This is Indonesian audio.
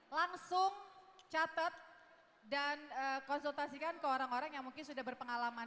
langsung catat dan konsultasikan ke orang orang yang mungkin sudah berpengalaman